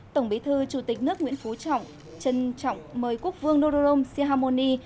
tổng bế thư chủ tịch nước nguyễn phú trọng chân trọng mời quốc vương nolodom sihamoni